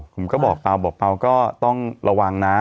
ผมก็บอกเปล่าบอกเปล่าก็ต้องระวังนะ